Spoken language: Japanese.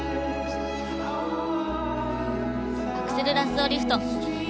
アクセルラッソーリフト。